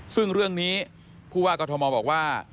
ซึ่งเรื่องนี้ผู้ว่ากรทมบอกว่า